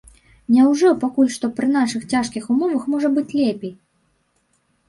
Няўжо пакуль што пры нашых цяжкіх умовах можа быць лепей?